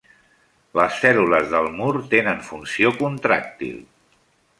Les cèl·lules del mur tenen funció contràctil.